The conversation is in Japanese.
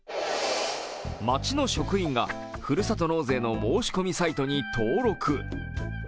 町の職員が、ふるさと納税の申し込みサイトに登録。